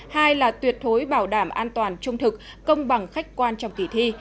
hai là tuyệt thối bảo đảm an toàn trung thực công bằng khách quan trong kỳ thi